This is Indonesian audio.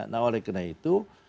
nah oleh karena itu